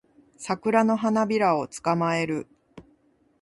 サクラの花びらを捕まえる